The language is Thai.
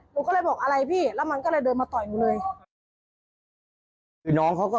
โดนก็เลยบอกอะไรรับทีแล้วมันก็ได้มาต่อยสว่างเลย